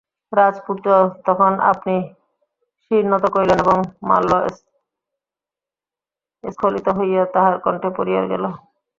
রাজপুত্র তখন আপনি শির নত করিলেন এবং মাল্য স্খলিত হইয়া তাঁহার কণ্ঠে পড়িয়া গেল।